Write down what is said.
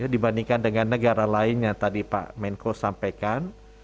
dibandingkan dengan negara lain yang tadi pak menko sampaikan